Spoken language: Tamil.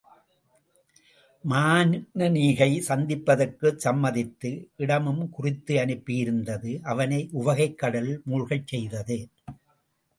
மானனீகை சந்திப்பதற்குச் சம்மதித்து, இடமும் குறித்து அனுப்பியிருந்தது அவனை உவகைக் கடலுள் மூழ்கச் செய்தது.